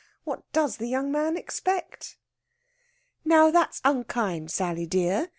What does the young man expect? "Now, that's unkind, Sally dear.